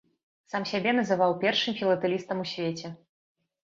Сам сябе называў першым філатэлістам ў свеце.